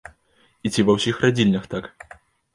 І ці ва ўсіх радзільнях так?